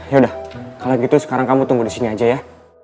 yaudah kalo gitu sekarang kamu tunggu disini aja ya